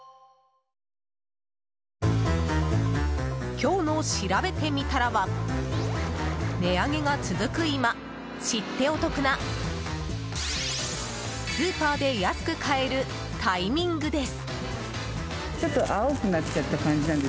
今日のしらべてみたらは値上げが続く今、知ってお得なスーパーで安く買えるタイミングです。